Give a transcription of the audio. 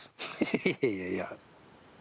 いやいやいや。